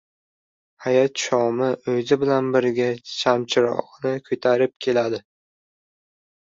Hayot shomi o‘zi bilan birga shamchirog‘ini ko‘tarib keladi.